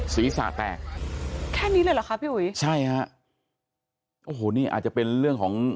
ศีรษะแตกแค่นี้เลยเหรอคะพี่อุ๋ยใช่ฮะโอ้โหนี่อาจจะเป็นเรื่องของ